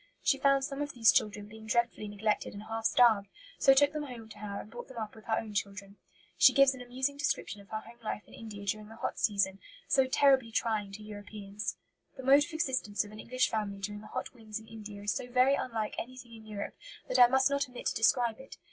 She found some of these children being dreadfully neglected and half starved, so took them home to her and brought them up with her own children. She gives an amusing description of her home life in India during the hot season, so terribly trying to Europeans: "The mode of existence of an English family during the hot winds in India is so very unlike anything in Europe that I must not omit to describe it.